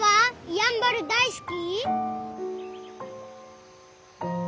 やんばる大好き？